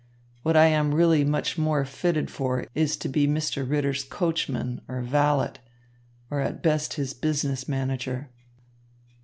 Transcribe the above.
What I am really much more fitted for is to be Mr. Ritter's coachman, or valet, or at best his business manager."